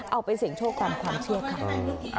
เอาไปเสี่ยงโชคตามความเชื่อค่ะ